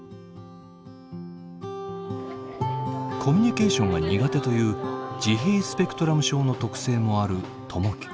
コミュニケーションが苦手という自閉スペクトラム症の特性もある友輝君。